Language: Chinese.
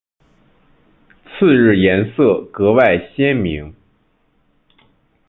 次日颜色格外鲜明。